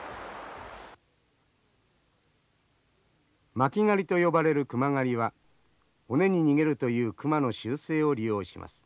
巻き狩りと呼ばれる熊狩りは尾根に逃げるという熊の習性を利用します。